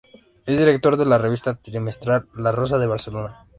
Es director de la revista trimestral La Rosa de Barcelona.